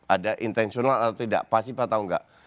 ada intensional atau tidak pasif atau enggak